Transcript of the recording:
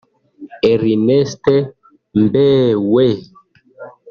Ernest Mbewe